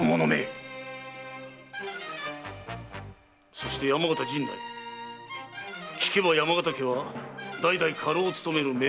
そして山形陣内聞けば山形家は代々家老を勤める名門とか。